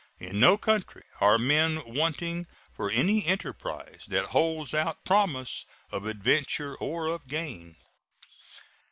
In no country are men wanting for any enterprise that holds out promise of adventure or of gain.